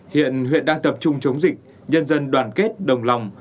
hiện huyện đang tập trung chống dịch nhân dân đoàn kết đồng lòng